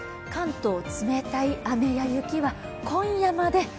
関東、冷たい雨や雪は今夜まで。